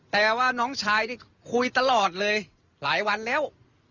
แต่ว่าน้องชายนี่คุยตลอดเลยหลายวันแล้ว